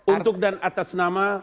untuk dan atas nama